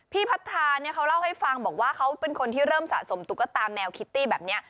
พัทธาเนี่ยเขาเล่าให้ฟังบอกว่าเขาเป็นคนที่เริ่มสะสมตุ๊กตาแนวคิตตี้แบบนี้